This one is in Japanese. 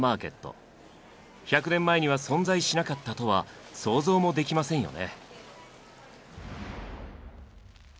１００年前には存在しなかったとは想像もできませんよね。